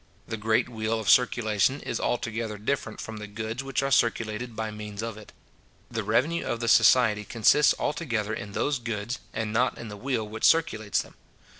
The great wheel of circulation is altogether different from the goods which are circulated by means of it. The revenue of the society consists altogether in those goods, and not in the wheel which circulates them.